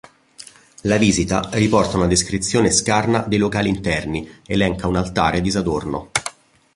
La visita riporta una descrizione scarna dei locali interni, elenca un altare disadorno.